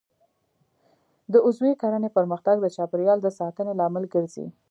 د عضوي کرنې پرمختګ د چاپیریال د ساتنې لامل ګرځي.